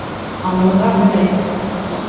Аңлыға бер әйт